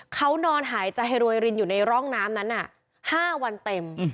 เขานอนหายใจให้รวยรินอยู่ในร่องน้ำนั้น๕วันเต็ม